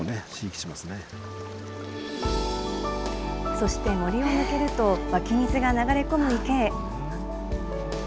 そして森を抜けると、湧き水が流れ込む池へ。